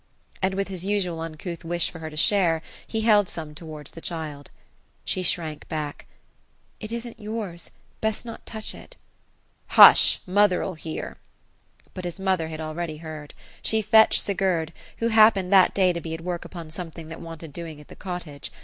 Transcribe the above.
And, with his usual uncouth wish for her to share, he held some towards the child. She shrank back. " It isn't yours. Best not touch it" *< Hush I Mother'll hear." But his mother had already heard She fetched Sigurd, who hap pened that day to be at work upon something that wanted doing at the cottage.